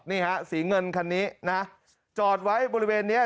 นี่ฮะสีเงินคันนี้นะจอดไว้บริเวณนี้